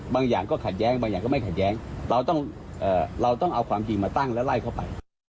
บางอย่างก็ขัดแย้งบางอย่างก็ไม่ขัดแย้งเราต้องเอาความจริงมาตั้งแล้วไล่เข้าไป